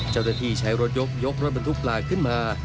เจ้าหน้าที่ใช้รถยกยกรถบรรทุกปลาขึ้นมา